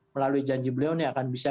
melalui janji beliau ini akan bisa